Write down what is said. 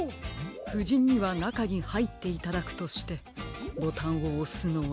ふじんにはなかにはいっていただくとしてボタンをおすのは。